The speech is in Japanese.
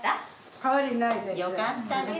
変わりないです。